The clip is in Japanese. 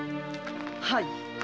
はい。